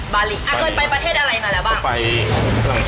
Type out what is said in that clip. เคยไปประเทศอะไรมาแล้วบ้าง